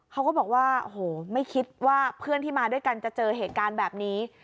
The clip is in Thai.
เขาก็บอกว่าโอ้โหไม่คิดว่าเพื่อนที่มาด้วยกันจะเจอเหตุการณ์แบบนี้